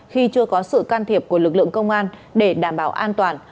khi chưa có sự can thiệp của lực lượng công an để đảm bảo an toàn